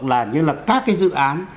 là như là các cái dự án